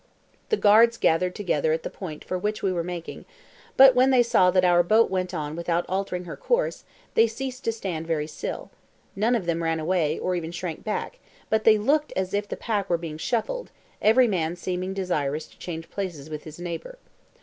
The guards gathered together at the point for which we were making, but when they saw that our boat went on without altering her course, they ceased to stand very still; none of them ran away, or even shrank back, but they looked as if the pack were being shuffled, every man seeming desirous to change places with his neighbour.